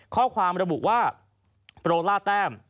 ข้อความระบุว่าโปรล่าแต้ม